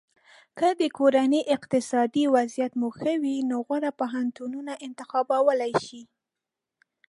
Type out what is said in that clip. که د کورنۍ اقتصادي وضعیت مو ښه وي نو غوره پوهنتونونه انتخابولی شی.